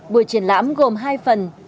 buổi triển lãm gồm hai phần